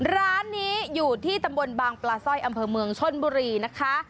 ร้านนี้อยู่ที่ตำบลบางปลาสร้อยอำเภอเมืองชนบุรีนะคะ